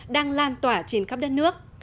đang lan tỏa trên khắp đất nước